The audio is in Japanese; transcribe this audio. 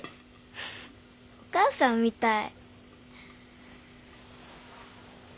フフッお母さんみたい。